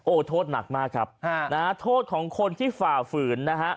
โทษหนักมากครับนะฮะโทษของคนที่ฝ่าฝืนนะฮะ